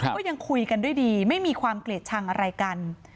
ก็ยังคุยกันด้วยดีไม่มีความเกลียดชังอะไรกัน